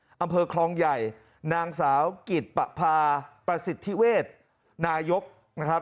อำเภอคลองใหญ่นางสาวกิตปะพาประสิทธิเวทนายกนะครับ